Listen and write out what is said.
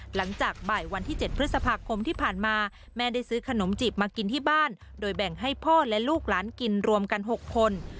หลังจากบ่ายวันที่๗พฤษภาคมที่ผ่านมาแม่ได้ซื้อขนมจีบมากินที่บ้านโดยแบ่งให้พ่อและลูกหลานกินรวมกัน๖คน